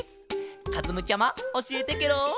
かずむちゃまおしえてケロ。